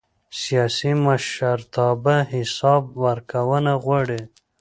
سیاسي مشرتابه حساب ورکونه غواړي